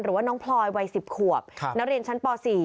หรือว่าน้องพลอยวัย๑๐ขวบนักเรียนชั้นป๔